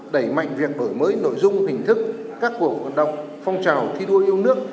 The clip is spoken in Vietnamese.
đẩy mạnh việc đổi mới nội dung hình thức các cuộc vận động phong trào thi đua yêu nước